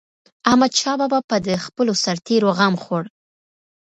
احمدشاه بابا به د خپلو سرتيرو غم خوړ.